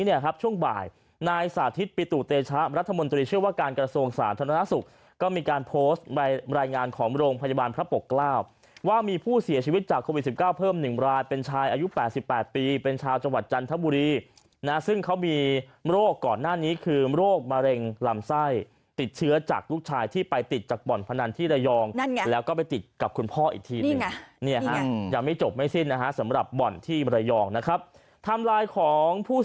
นายสาธิตปิตุเตชะรัฐมนตรีเชื่อว่าการกระทรวงสารธนาศุกร์ก็มีการโพสต์ใบรายงานของโรงพยาบาลพระปกราบว่ามีผู้เสียชีวิตจากโควิด๑๙เพิ่มหนึ่งรายเป็นชายอายุ๘๘ปีเป็นชาวจังหวัดจันทบุรีนะซึ่งเขามีโรคก่อนหน้านี้คือโรคมะเร็งลำไส้ติดเชื้อจากลูกชายที่ไปติดจากบ่อนพนันที่ระยอง